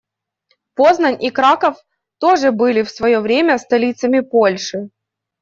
Познань и Краков тоже были в своё время столицами Польши.